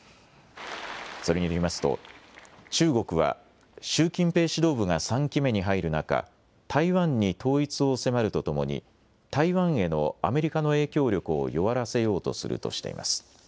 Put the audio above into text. それによりますと、中国は習近平指導部が３期目に入る中、台湾に統一を迫るとともに、台湾へのアメリカの影響力を弱らせようとするとしています。